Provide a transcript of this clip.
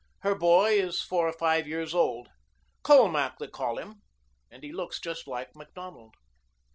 Her boy is four or five years old. Colmac, they call him, and he looks just like Macdonald."